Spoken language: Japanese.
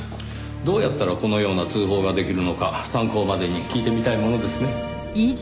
どうやったらこのような通報ができるのか参考までに聞いてみたいものですね。